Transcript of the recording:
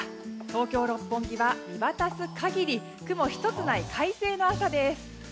東京・六本木は見渡す限り雲１つない快晴の朝です。